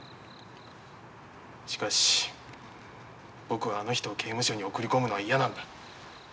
しかし僕はあの人を刑務所に送り込むのは嫌なんだ。